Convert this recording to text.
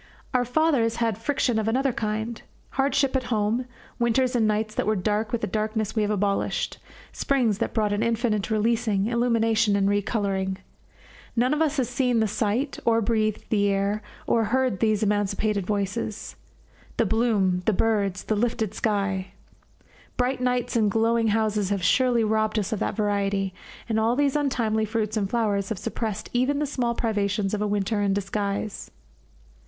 Our fathers had friction of another kind: hardship at home, winters and nights that were dark with a darkness we have abolished; springs that brought an infinite releasing, illumination, and recolouring. None of us has seen the sight, or breathed the air, or heard those emancipated voices. The bloom, the birds, the ifted sky! Bright nights and glowing houses have surely robbed us of that variety, and all these untimely fruits and flowers have suppressed even the small privations of a winter in disguise.